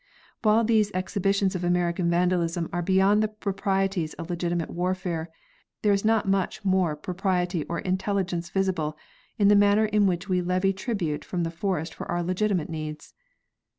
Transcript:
While these exhibitions of American vandalism are beyond the proprieties of legitimate warfare, there is not much more propriety or intelligence visible in the manner in which we levy tribute from the forest for our legitimate needs.